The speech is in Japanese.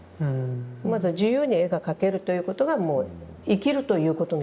自由に絵が描けるということがもう生きるということなんですよ。